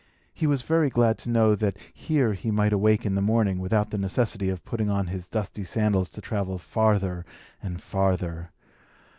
He was very glad to know that here he might awake in the morning, without the necessity of putting on his dusty sandals to travel farther and farther.